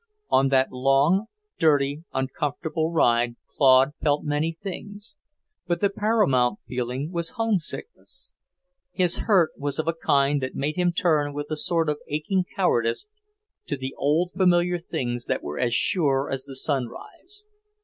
On that long, dirty, uncomfortable ride Claude felt many things, but the paramount feeling was homesickness. His hurt was of a kind that made him turn with a sort of aching cowardice to the old, familiar things that were as sure as the sunrise.